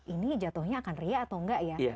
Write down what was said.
ini jatuhnya akan riak atau nggak ya